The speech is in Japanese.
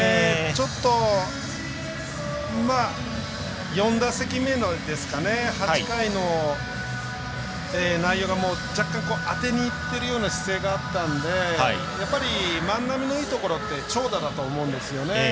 ちょっと４打席目８回の内容が若干当てにいっているような姿勢があったのでやっぱり、万波のいいところって長打だと思うんですよね。